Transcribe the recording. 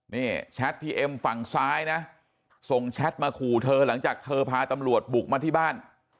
นี่แชทพี่เอ็มฝั่งซ้ายนะส่งแชทมาขู่เธอหลังจากเธอพาตำรวจบุกมาที่บ้าน